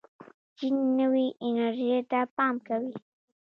چین نوې انرژۍ ته پام کوي.